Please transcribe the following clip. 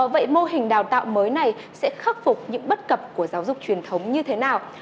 vậy mô hình đào tạo mới này sẽ khắc phục những bất cập của giáo dục truyền thống như thế nào